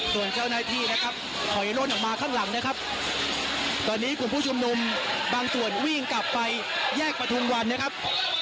ส่วนเจ้าหน้าที่นะครับถอยล่นออกมาข้างหลังนะครับตอนนี้กลุ่มผู้ชุมนุมบางส่วนวิ่งกลับไปแยกประทุมวันนะครับ